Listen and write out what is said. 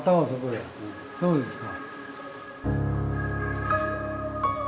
そうですか。